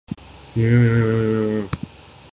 جنہوں نے اپنا سا بقہ پیشہ اختیارکیا